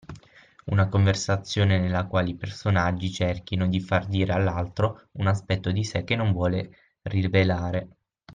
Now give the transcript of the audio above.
Una conversazione nella quale i personaggi cerchino di far dire all’altro un aspetto di sé che non vuole rivelare